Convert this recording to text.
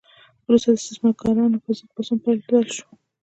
وروسته د استثمارګرانو په ضد پاڅون بدل شو.